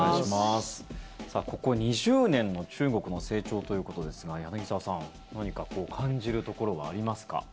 ここ２０年の中国の成長ということですが柳澤さん何か感じるところはありますか？